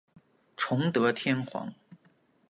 崇德天皇。